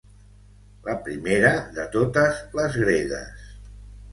La primera de totes les gregues.